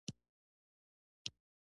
استاد بینوا د ادب له لاري مبارزه وکړه.